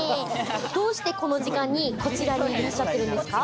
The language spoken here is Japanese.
どうしてこの時間にこちらにいらっしゃってるんですか？